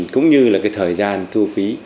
cũng như là cái thời gian thu phí